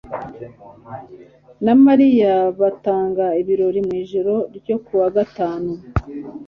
na Mariya batanga ibirori mu ijoro ryo ku wa gatanu